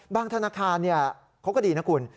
บางธนาคารเนี่ยเขาก็ดีนะคุณ